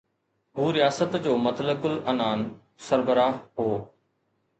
هو رياست جو مطلق العنان سربراهه هو.